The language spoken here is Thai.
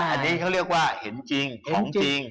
อันนี้เขาเรียกว่าเห็นจริงของจริง